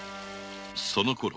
そのころ